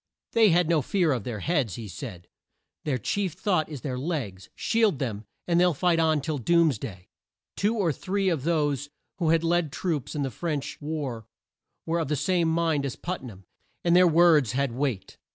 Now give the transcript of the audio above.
"They have no fear of their heads," he said, "their chief thought is their legs. Shield them, and they'll fight on till doom's day." Two or three of those who had led troops in the French war, were of the same mind as Put nam, and their words had weight.